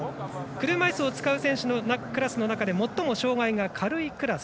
車いすを使う選手のクラスの中で最も軽いクラス。